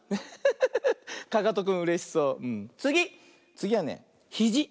つぎはねひじ。